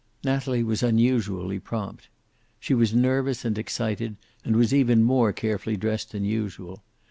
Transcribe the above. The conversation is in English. Natalie was unusually prompt. She was nervous and excited, and was even more carefully dressed than usual.